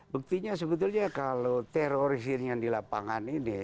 buktinya sebetulnya kalau teroris yang di lapangan ini